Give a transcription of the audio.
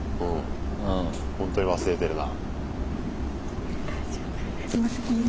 本当に忘れてるな。